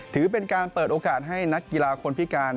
ถือเป็นการเปิดโอกาสให้นักกีฬาคนพิการ